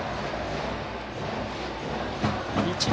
日大